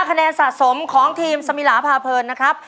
คะแนนสะสมของทีมสมิลาพาเพลินนะครับ